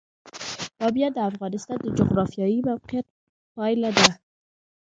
بامیان د افغانستان د جغرافیایي موقیعت پایله ده.